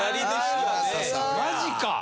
マジか。